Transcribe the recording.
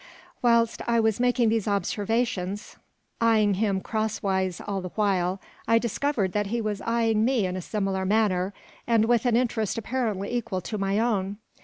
Whilst I was making these observations, eyeing him cross wise all the while, I discovered that he was eyeing me in a similar manner, and with an interest apparently equal to my own.